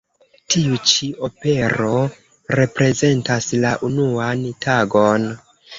Tiu-ĉi opero reprezentas la "unuan tagon".